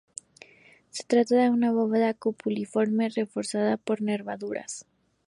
Se trata de una bóveda cupuliforme reforzada por nervaduras.